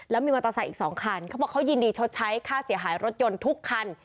แล้วมีมอเตอร์ไซค์อีก๒คันเขาบอกเขายินดีชดใช้ค่าเสียหายรถยนต์ทุกคัน